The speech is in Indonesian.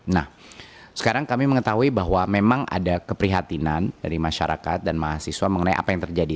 nah sekarang kami mengetahui bahwa memang ada keprihatinan dari masyarakat dan mahasiswa mengenai apa yang terjadi